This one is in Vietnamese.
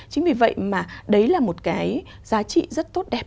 chính vì vậy mà đấy là một cái giá trị rất tốt đẹp